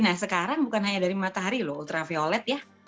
nah sekarang bukan hanya dari matahari loh ultraviolet ya